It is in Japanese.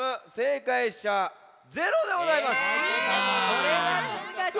これはむずかしい。